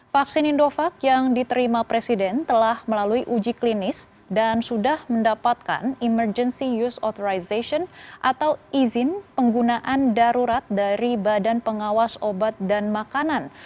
vaksin indovac yang diterima presiden telah melalui uji klinis dan sudah mendapatkan emergency use authorization atau izin penggunaan darurat dari badan pengawas obat dan makanan